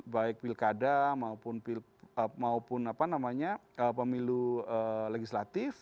baik pilkada maupun pemilu legislatif